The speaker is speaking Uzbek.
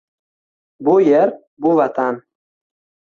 Bu yer – bu Vatan.